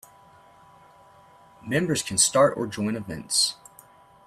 Members can start or join events.